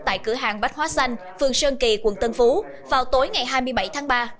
tại cửa hàng bách hóa xanh phường sơn kỳ quận tân phú vào tối ngày hai mươi bảy tháng ba